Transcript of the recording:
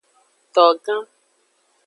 Togan.